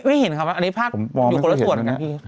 ไม่เห็นครับอันนี้ภาคอยู่คนละส่วน